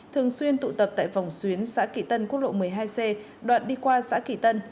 thường xuyên tụ tập tại vòng xuyến xã kỳ tân quốc lộ một mươi hai c đoạn đi qua xã kỳ tân